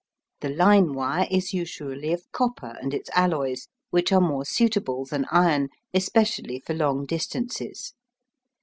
The line wire is usually of copper and its alloys, which are more suitable than iron, especially for long distances.